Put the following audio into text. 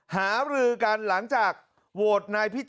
หาลือกันหลังจากโหก